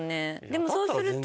でもそうすると。